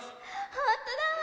ほんとだわ！